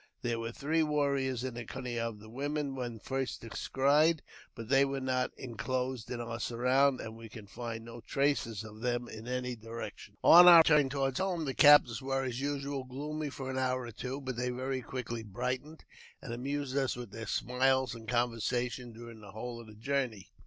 There were three warriors in the company of the women when first descried, but they were not enclosed in our surround, and we could find no traces of them in any direction. luieu : 3 a 3eT" nd JAMES P. BECKWOVRTB. 189 On our return toward home the captives were, as usual, gloomy for an hour or two ; but they very quickly brightened, and amused us with their smiles and conversation during the ; whole of the journey.